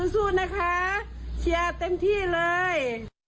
สู้นะคะเชียร์เต็มที่เลย